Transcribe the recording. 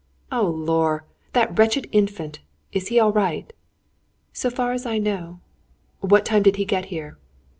"Oh, lor! That wretched Infant! Is he all right?" "So far as I know." "What time did he get here?"